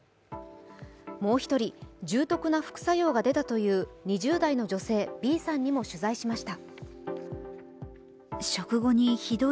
もう一人、重篤な副作用が出たという２０代の女性、Ｂさんにも取材しました。